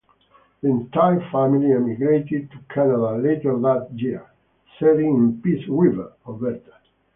The entire family emigrated to Canada later that year, settling in Peace River, Alberta.